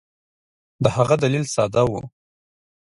د هغه دلیل ساده وو.